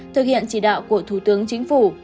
thực hiện chỉ đạo của thủ tướng chính phủ